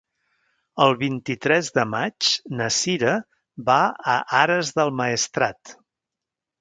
El vint-i-tres de maig na Cira va a Ares del Maestrat.